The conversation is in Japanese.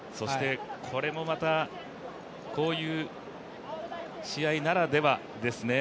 これもまた、こういう試合ならではですね。